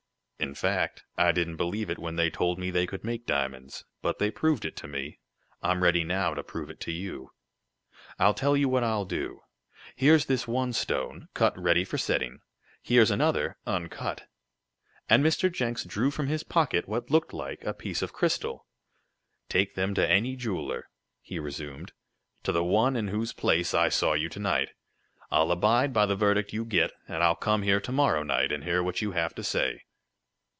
"In fact, I didn't believe it when they told me they could make diamonds. But they proved it to me. I'm ready now to prove it to you." "I'll tell you what I'll do. Here's this one stone, cut ready for setting. Here's another, uncut," and Mr. Jenks drew from his pocket what looked like a piece of crystal. "Take them to any jeweler," he resumed "to the one in whose place I saw you to night. I'll abide by the verdict you get, and I'll come here to morrow night, and hear what you have to say."